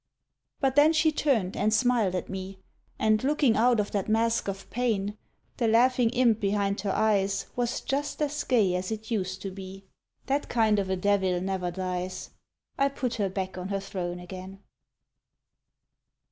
But then she turned and smiled at me, And looking out of that mask of pain The laughing imp behind her eyes Vigils Was just as gay as it used to be. That kind of a devil never dies.^ I put her back on her throne again.